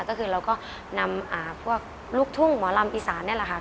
ก็คือเราก็นำพวกลูกทุ่งหมอลำอีสานนี่แหละค่ะ